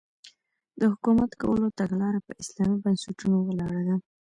د حکومت کولو تګلاره په اسلامي بنسټونو ولاړه ده.